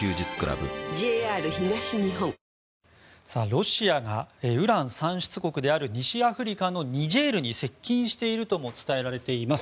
ロシアがウラン産出国である西アフリカのニジェールに接近しているとも伝えられています。